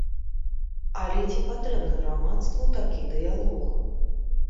Але ці патрэбны грамадству такі дыялог?